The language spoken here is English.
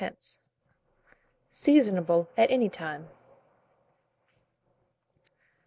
Seasonable at any time.